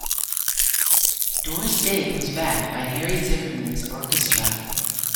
Doris Day was backed by Harry Zimmerman's Orchestra.